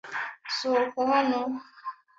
Sohoka hano!